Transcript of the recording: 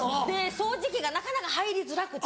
掃除機がなかなか入りづらくて。